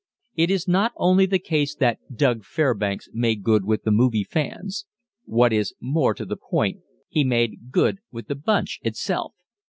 It is not only the case that "Doug" Fairbanks made good with the movie fans. What is more to the point, he made good with the "bunch" itself.